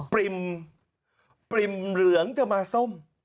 ปริ่มเหลืองจะมาส้ม